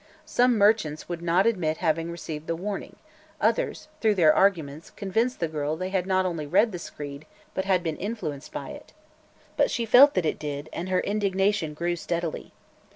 Some merchants would not admit having received the warning; others, through their arguments, convinced the girl they had not only read the screed but had been influenced by it. Perhaps it did not seriously affect her sales of bonds, but she felt that it did and her indignation grew steadily.